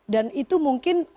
dan itu mungkin